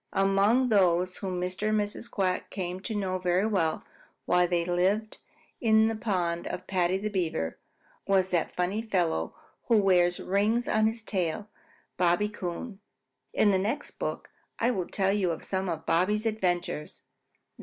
Among those whom Mr. and Mrs. Quack came to know very well while they lived in the pond of Paddy the Beaver was that funny fellow who wears rings on his tail Bobby Coon. In the next book I will tell you of some of Bobby's adventures.